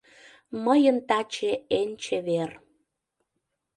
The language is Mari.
Мыйын таче эн чевер.